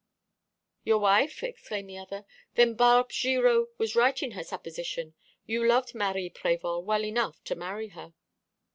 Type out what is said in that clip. "Your wife?" exclaimed the other. "Then Barbe Girot was right in her supposition. You loved Marie Prévol well enough to marry her."